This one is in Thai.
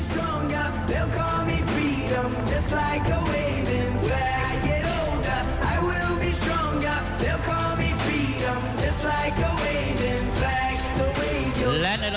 ท่านแรกครับจันทรุ่ม